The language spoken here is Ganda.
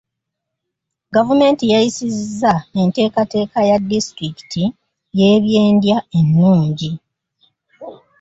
Gavumenti yayisizza enteekateeka ya disitulikiti y'ebyendya ennungi.